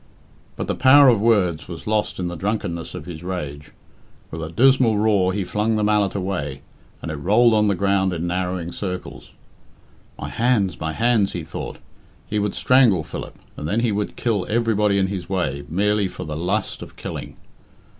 But the power of words was lost in the drunkenness of his rage. With a dismal roar he flung the mallet away, and it rolled on the ground in narrowing circles. "My hands, my hands," he thought. He would strangle Philip, and then he would kill everybody in his way, merely for the lust of killing.